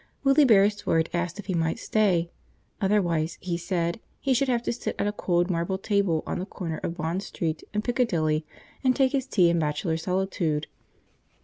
Willie Beresford asked if he might stay; otherwise, he said, he should have to sit at a cold marble table on the corner of Bond Street and Piccadilly, and take his tea in bachelor solitude.